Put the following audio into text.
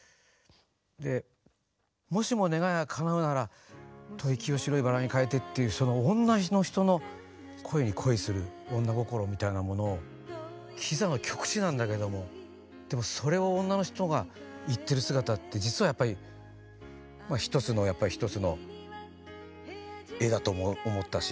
で「もしも願いが叶うなら吐息を白いバラに変えて」っていうその女の人の恋に恋する女心みたいなものをきざの極致なんだけどもでもそれを女の人が言ってる姿って実はやっぱり一つのやっぱり一つの絵だと思ったし。